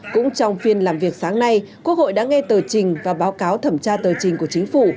cũng trong phiên làm việc sáng nay quốc hội đã nghe tờ trình và báo cáo thẩm tra tờ trình của chính phủ